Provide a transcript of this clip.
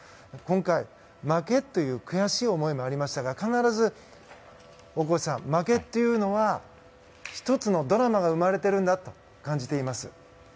今回、負けという悔しい思いもありましたが必ず大越さん、負けというのは１つのドラマが生まれているんだと感じています。